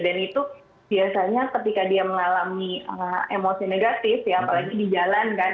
dan itu biasanya ketika dia mengalami emosi negatif ya apalagi di jalan kan